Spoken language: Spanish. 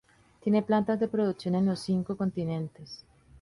Tiene plantas de producción en los cinco continentes.